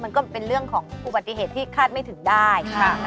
ก็เป็นเรื่องของอุบัติเหตุที่คาดไม่ถึงได้